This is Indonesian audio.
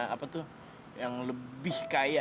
apa tuh yang lebih kaya